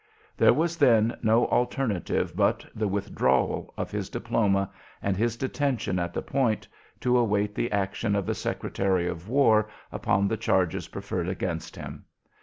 There was then no alternative but the withdrawal of his diploma and his detention at the Point to await the action of the Secretary of War upon the charges preferred against him.